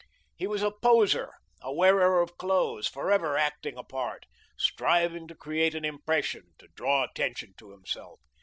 He was a poser, a wearer of clothes, forever acting a part, striving to create an impression, to draw attention to himself.